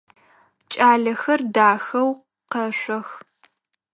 Кӏалэхэр дахэу къэшъох.